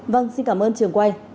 vâng xin cảm ơn trường quay